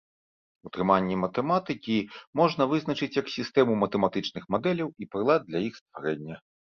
Утрыманне матэматыкі можна вызначыць як сістэму матэматычных мадэляў і прылад для іх стварэння.